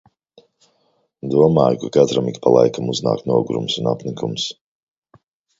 Domāju, ka katram ik pa laikam uznāk nogurums un apnikums.